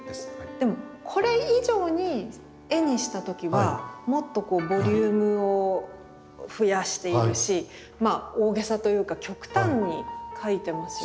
でもこれ以上に絵にした時はもっとボリュームを増やしているしまあ大げさというか極端に描いてますよね。